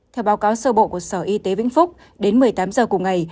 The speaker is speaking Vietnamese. theo báo cáo sơ bộ của sở y tế vĩnh phúc đến một mươi tám giờ cùng ngày